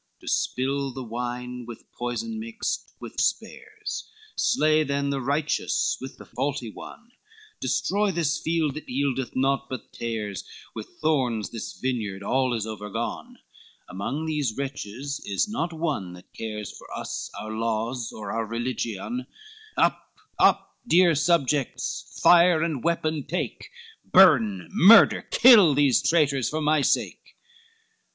XII "To spill the wine with poison mixed with spares? Slay then the righteous with the faulty one, Destroy this field that yieldeth naught but tares, With thorns this vineyard all is over gone, Among these wretches is not one, that cares For us, our laws, or our religion; Up, up, dear subjects, fire and weapon take, Burn, murder, kill these traitors for my sake."